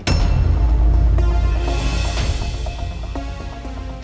dia sudah berubah